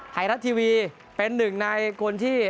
ไทยรัฐทีวีเป็นหนึ่งในคนที่